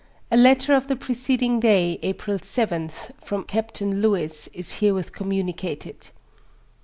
A letter of the preceding day, April 7th, from Captain Lewis, is herewith communicated.